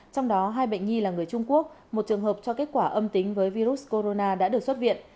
trong đó hai bệnh nhi là người trung quốc một trường hợp cho kết quả âm tính với virus corona đã được xuất viện